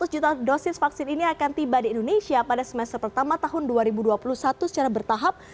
lima ratus juta dosis vaksin ini akan tiba di indonesia pada semester pertama tahun dua ribu dua puluh satu secara bertahap